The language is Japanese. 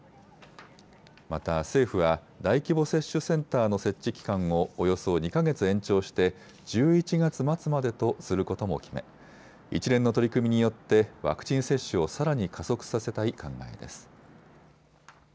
また政府は大規模接種センターの設置期間をおよそ２か月延長して１１月末までとすることも決め一連の取り組みによってワクチン接種をさらに加速させたい考えです。